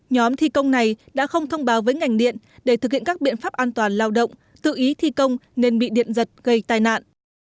nhóm thi công này đã không thông báo với ngành điện để thực hiện các biện pháp an toàn lao động tự ý thi công nên bị điện giật gây tai nạn